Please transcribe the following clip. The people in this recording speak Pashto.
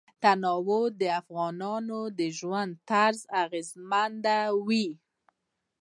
تنوع د افغانانو د ژوند طرز اغېزمنوي.